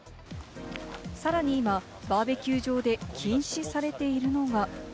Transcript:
さらに今、バーベキュー場で禁止されているのが。